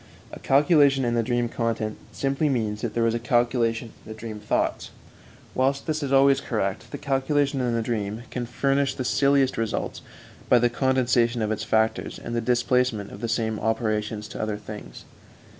A calculation in the dream content simply means that there was a calculation in the dream thoughts; whilst this is always correct, the calculation in the dream can furnish the silliest results by the condensation of its factors and the displacement of the same operations to other things.